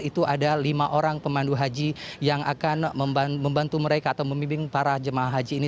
itu ada lima orang pemandu haji yang akan membantu mereka atau membimbing para jemaah haji ini